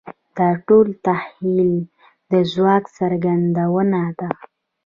دا ټول د تخیل د ځواک څرګندونه ده.